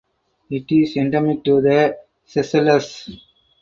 It is endemic to the Seychelles.